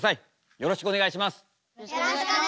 よろしくお願いします。